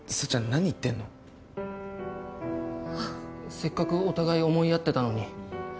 せっかくお互い思い合ってたのに。